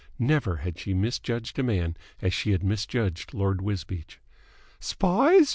Never had she misjudged a man as she had misjudged Lord Wisbeach. "Spies?"